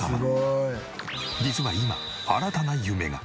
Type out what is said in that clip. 実は今新たな夢が。